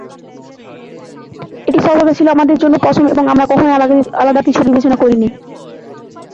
এটি সর্বদা ছিল, আমাদের জন্য, পশম এবং আমরা কখনই আলাদা কিছু বিবেচনা করি নি।